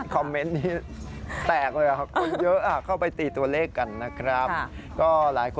เส่งเยอะมาก